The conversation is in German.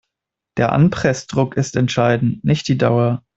Der Anpressdruck ist entscheidend, nicht die Dauer.